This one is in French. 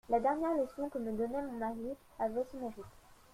La dernière leçon que me donnait mon mari avait son mérite.